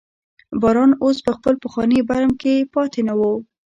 باران اوس په خپل پخواني برم کې پاتې نه و.